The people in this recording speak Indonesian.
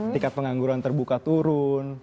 tiket pengangguran terbuka turun